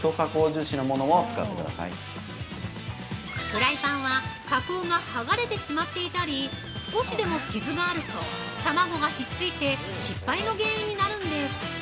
◆フライパンは加工が剥がれてしまっていたり、少しでも傷があると、卵がひっついて失敗の原因になるんです。